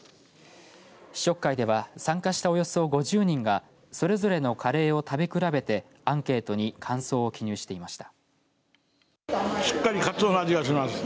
試食会では参加したおよそ５０人がそれぞれのカレーを食べ比べてアンケートに感想を記入していました。